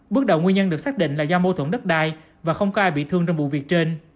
bước đầu nguyên nhân được xác định là do mâu thuẫn đất đai và không có ai bị thương trong vụ việc trên